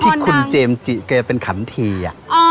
ที่คุณเจมส์จิแกเป็นขันที